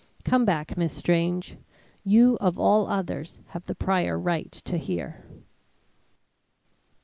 Come back, Miss Strange. You of all others have the prior right to hear."